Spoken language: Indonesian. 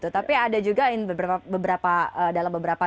tapi ada juga beberapa dalam beberapa